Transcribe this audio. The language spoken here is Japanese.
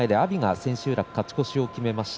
千秋楽、勝ち越しを決めました。